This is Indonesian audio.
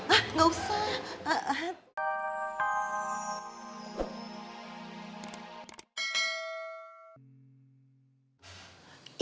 ah gak usah